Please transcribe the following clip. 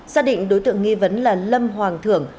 xác định đối tượng nghi vấn là lâm hoàng thưởng